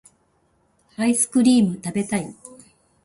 アイスクリームたべたい